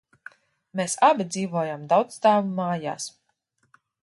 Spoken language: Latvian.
Mēs abi dzīvojām daudzstāvu mājās.